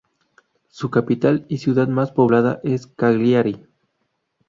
Su capital y ciudad más poblada es Cagliari.